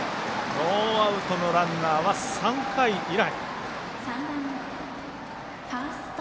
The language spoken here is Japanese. ノーアウトのランナーは３回以来。